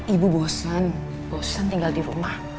ibu bosan bosan tinggal di rumah